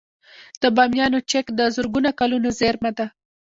د بامیانو چک د زرګونه کلونو زیرمه ده